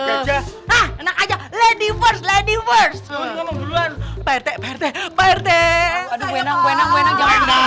gajah enak aja lady first lady first ngomong duluan pete pete pete aduh enak enak enak enak